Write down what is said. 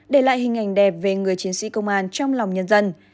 để lại hình ảnh đẹp về người chiến sĩ công an trong lòng nhân dân